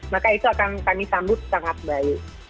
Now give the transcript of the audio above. maka itu akan kami sambut sangat baik